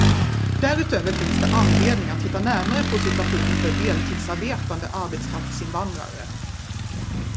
Därutöver finns det anledning att titta närmare på situationen för deltidsarbetande arbetskraftsinvandrare.